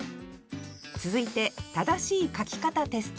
続いて正しい書き方テスト。